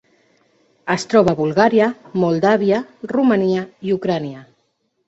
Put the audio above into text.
Es troba Bulgària, Moldàvia, Romania i Ucraïna.